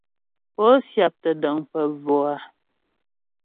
Pó syáptə́ dəŋ pə bvò a ?